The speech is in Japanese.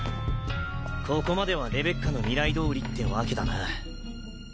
ここまではレベッカの未来通りってわけだな。